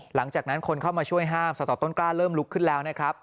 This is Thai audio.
หลังจากนั้นคนเข้ามาช่วยห้ามสตต้นกล้าเริ่มลุกขึ้นแล้วนะครับ